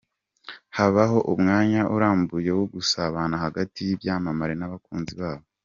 Habaho umwanya urambuye wo gusabana hagati y'ibyamamare n'abakunzi babo.